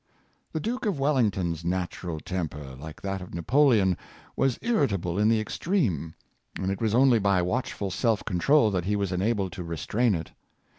479 The Duke of Wellington's natural temper, like that of Napoleon, was irritable in the extreme, and it was only by watchful self control that he was enabled to re strain it.